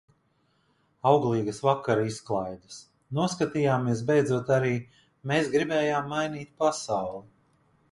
Auglīgas vakara izklaides. Noskatījāmies beidzot arī "Mēs gribējām mainīt pasauli".